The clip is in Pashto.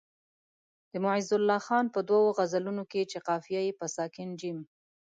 د معزالله خان په دوو غزلونو کې چې قافیه یې په ساکن جیم.